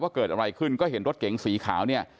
เกิดอะไรขึ้นก็เห็นรถเก๋งสีขาวเนี่ย